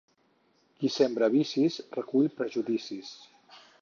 Qui sembra vicis, recull prejudicis.